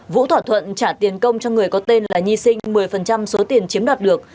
vũ thỏa thuận trả tiền công cho người có tên là nhi sinh một mươi số tiền chiếm đoạt được